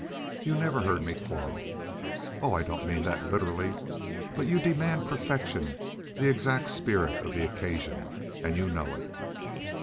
"You never heard me quarrel." "Oh, I don't mean that literally. But you demand perfection—the exact spirit of the occasion, and you know it."